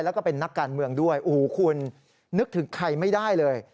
แล้วก็เป็นนักการเมืองด้วยโอ้โหคุณนึกถึงใครไม่ได้เลย